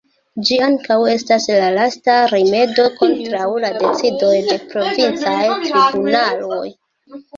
Ĝi ankaŭ estas la lasta rimedo kontraŭ la decidoj de provincaj tribunaloj.